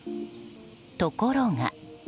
ところが。